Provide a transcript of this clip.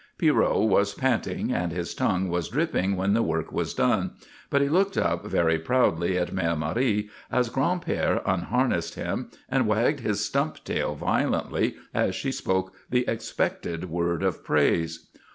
Pierrot was panting and his tongue was dripping when the work was done, but he looked up very proudly at Mère Marie, as Gran'père unharnessed him, and wagged his stump tail violently as she spoke the expected word of praise.